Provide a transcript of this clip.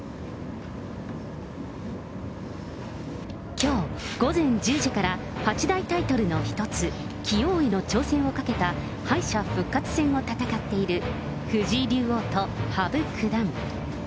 きょう午前１０時から、八大タイトルの一つ、棋王への挑戦をかけた敗者復活戦を戦っている、藤井竜王と羽生九段。